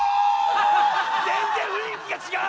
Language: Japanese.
全然雰囲気が違う！